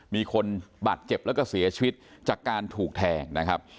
มีคนบาดเจ็บแล้วก็เสียชีวิตจากการถูกแทงนะครับ